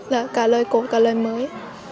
là cả lời cổ cả lời mới